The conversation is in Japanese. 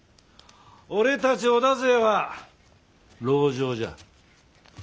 俺たち織田勢は籠城じゃ。